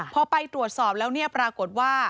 พอไปตรวจสอบแล้วปรากฏว่า